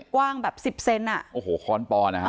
กว้างแบบสิบเซนอ่ะโอ้โหค้อนปอนนะฮะ